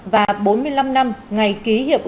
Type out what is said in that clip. và bốn mươi năm năm ngày ký hiệp ước